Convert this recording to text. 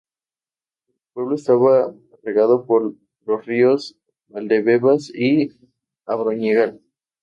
El pueblo estaba regado por los ríos Valdebebas y Abroñigal.